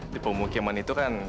di pemukiman itu kan